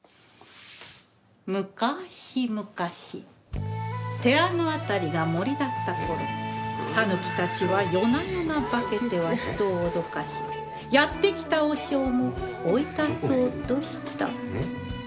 むかしむかし寺の辺りが森だった頃狸たちは夜な夜な化けては人を脅かしやって来た和尚も追い出そうとした。